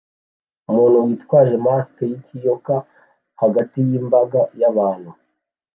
Umuntu witwaje mask yikiyoka hagati yimbaga yabantu